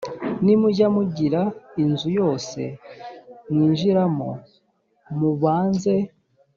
nimujya mugira inzu yose mwinjiramo mubanze